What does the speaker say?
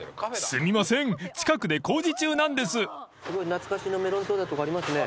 懐かしのメロンソーダとかありますね。